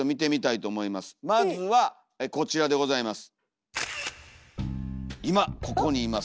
まずはこちらでございます。